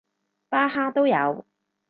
巴哈都有